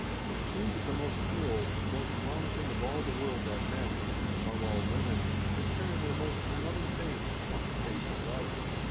It seemed the most cruel, the most wrong thing of all the world that men and above all, women should turn their most unloving face upon the face of love.